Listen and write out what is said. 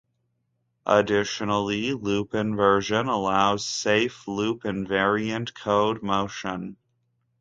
Additionally, loop inversion allows safe loop-invariant code motion.